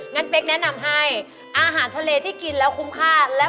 เป๊กแนะนำให้อาหารทะเลที่กินแล้วคุ้มค่า